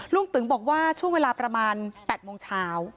ตึงบอกว่าช่วงเวลาประมาณ๘โมงเช้า